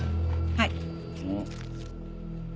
はい。